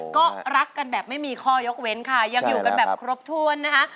ก็รักกันแบบไม่มีข้อยกเว้นค่ะยังอยู่กันแบบครบถ้วนนะคะ